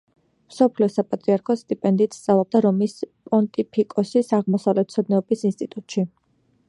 მსოფლიო საპატრიარქოს სტიპენდიით სწავლობდა რომის პონტიფიკოსის აღმოსავლეთმცოდნეობის ინსტიტუტში.